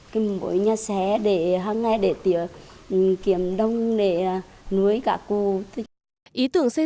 trong một không gian đầm ấm và thân thiện nhất